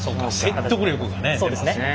説得力がね出ますね。